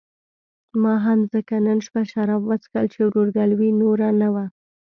ما هم ځکه نن شپه شراب وڅښل چې ورورګلوي نوره نه وه.